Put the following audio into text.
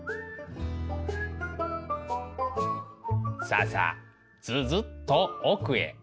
さあさあずずっと奥へ。